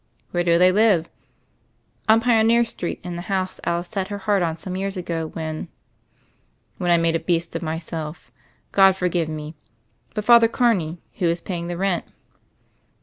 "Where do they live ?" "On Pioneer Street in the house Alice set her heart on some years ago, when " "When I made a beast of myself. God for give me. But, Father Carney, who is paying the rent?"